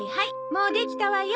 もうできたわよ。